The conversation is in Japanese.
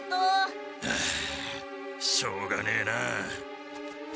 はあしょうがねえな。